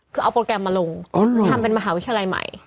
คือเอาโปรแกรมมาลงทำเป็นมหาวิทยาลัยใหม่